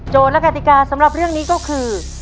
และกติกาสำหรับเรื่องนี้ก็คือ